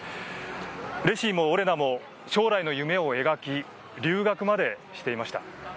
レシィもオレナも将来の夢を描き留学までしていました。